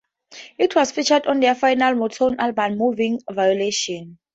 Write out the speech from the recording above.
It was featured on their final Motown album, "Moving Violation".